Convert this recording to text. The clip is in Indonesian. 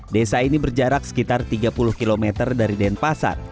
desa ini berjarak sekitar tiga puluh km dari denpasar